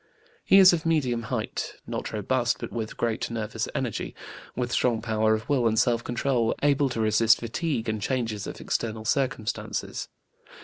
He is of medium height, not robust, but with great nervous energy, with strong power of will and self control, able to resist fatigue and changes of external circumstances.